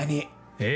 え？